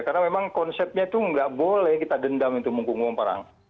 karena memang konsepnya itu tidak boleh kita dendam itu mungkung mungkung perang